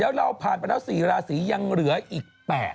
แล้วเราผ่านไปแล้ว๔ราศียังเหลืออีก๘